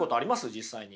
実際に。